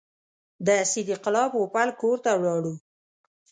د صدیق الله پوپل کور ته ولاړو.